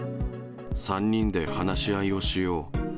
３人で話し合いをしよう。